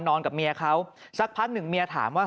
นอนกับเมียเขาสักพักหนึ่งเมียถามว่า